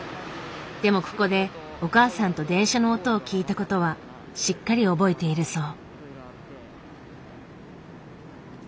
でもここでお母さんと電車の音を聞いたことはしっかり覚えているそう。